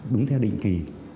đúng theo định kỳ